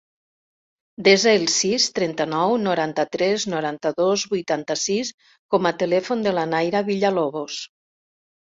Desa el sis, trenta-nou, noranta-tres, noranta-dos, vuitanta-sis com a telèfon de la Nayra Villalobos.